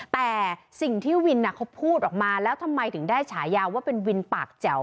แต่สิ่งที่วินเขาพูดออกมาแล้วทำไมถึงได้ฉายาว่าเป็นวินปากแจ๋ว